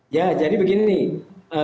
ya jadi begini nih